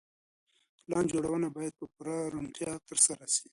پلان جوړونه بايد په پوره روڼتيا ترسره سي.